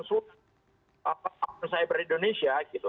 suatu perusahaan siber di indonesia gitu